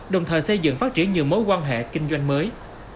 đồng thời xây dựng phát triển nhiều mối quan hệ kinh doanh mới